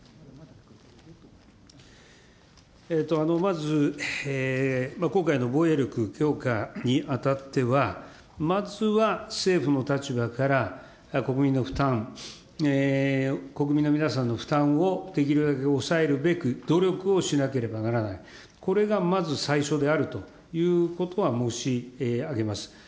まず、今回の防衛力強化にあたっては、まずは政府の立場から、国民の負担、国民の皆さんの負担をできるだけ抑えるべく、努力をしなければならない、これがまず最初であるということは申し上げます。